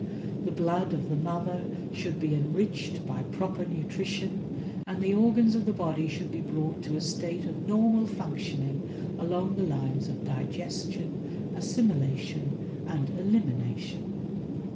The blood of the mother should be enriched by proper nutrition, and the organs of the body should be brought to a state of normal functioning along the lines of digestion, assimilation, and elimination.